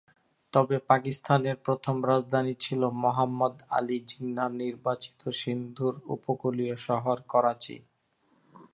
তবে পাকিস্তানের প্রথম রাজধানী ছিল মুহাম্মদ আলী জিন্নাহর নির্বাচিত সিন্ধুর উপকূলীয় শহর করাচি।